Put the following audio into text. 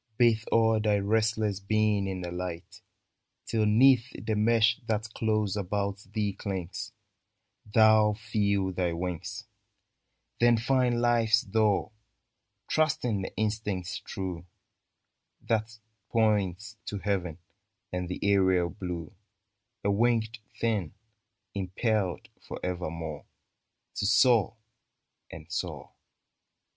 Bathe all thy restless being in the light ; Till 'neath the mesh that close about thee clings Thou feel thy wings ! 28 TRANSITION Then find life's door, — Trusting the instinct true That points to Heaven and the aerial blue A winged thing, impelled for evermore To soar and soar